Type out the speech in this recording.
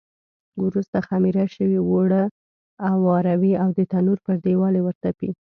وروسته خمېره شوي اوړه اواروي او د تنور پر دېوال ورتپي.